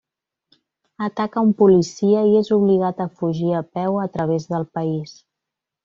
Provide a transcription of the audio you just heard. Ataca un policia, i és obligat a fugir a peu a través del país.